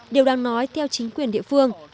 điều đang nói theo chính quyền địa phương